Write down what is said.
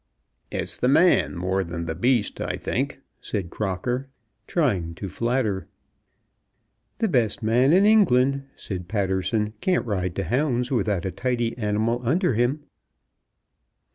"It's the man more than the beast, I think," said Crocker, trying to flatter. "The best man in England," said Patterson, "can't ride to hounds without a tidy animal under him."